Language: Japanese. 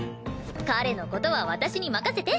彼の事は私に任せて！